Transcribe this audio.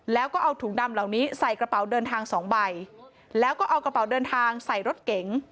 แล้วก็เอาถุงดำเหล่านี้ใส่กระเป๋าเดินทางสองใบแล้วก็เอากระเป๋าเดินทางใส่รถเก๋ง